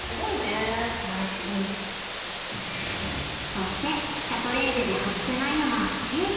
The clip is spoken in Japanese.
［そしてシャトレーゼで外せないのがケーキ］